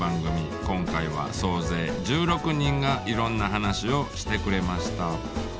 今回は総勢１６人がいろんな話をしてくれました。